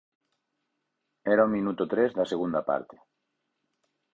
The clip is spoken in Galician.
Era o minuto tres da segunda parte.